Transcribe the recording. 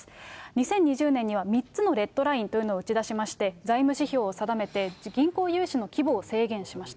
２０２０年には３つのレッドラインというのを打ち出しまして、財務指標を定めて、銀行融資の規模を制限しました。